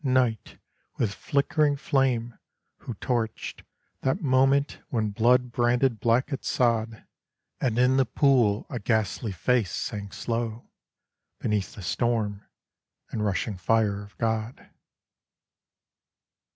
Night, with flickering flame, who torched That moment when blood branded black its sod, And in the pool a ghastly face sank slow Beneath the storm and rushing fire of God.